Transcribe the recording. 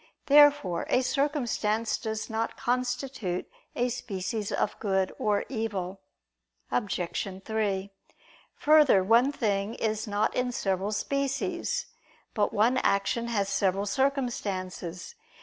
Therefore a circumstance does not constitute a species of good or evil. Obj. 3: Further, one thing is not in several species. But one action has several circumstances.